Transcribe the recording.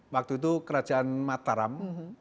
waktu itu kerajaan mataram